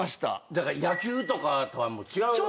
だから野球とかとは違うね。